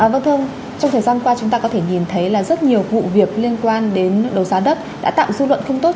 vâng thưa ông trong thời gian qua chúng ta có thể nhìn thấy là rất nhiều vụ việc liên quan đến đấu giá đất đã tạo dư luận không tốt